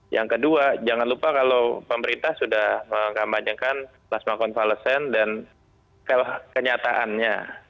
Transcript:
yang kedua jangan lupa kalau pemerintah sudah mengkampanyekan plasma konvalesen dan kenyataannya